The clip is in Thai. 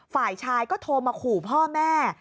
ฝ่ายชายก็โทรมาขู่พ่อแม่